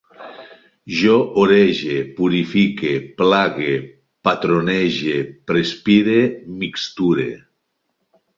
Jo orege, purifique, plague, patronege, perspire, mixture